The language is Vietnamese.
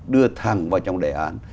đưa thẳng vào trong đề án